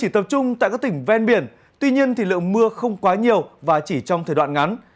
tập trung tại các tỉnh ven biển tuy nhiên lượng mưa không quá nhiều và chỉ trong thời đoạn ngắn